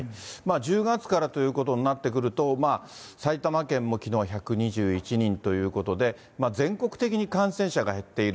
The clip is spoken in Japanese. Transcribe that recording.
１０月からということになってくると、埼玉県もきのうは１２１人ということで、全国的に感染者が減っている。